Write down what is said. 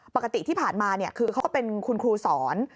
ปกติที่ผ่านมาคือเขาก็เป็นคุณครูสอน